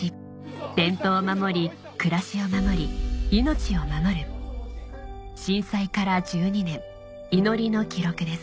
伝統を守り暮らしを守り命を守る震災から１２年祈りの記録です